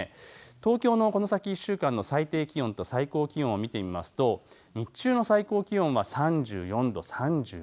東京のこの先の１週間の最低気温と最高気温を見ると日中の最高気温は３４度、３５度。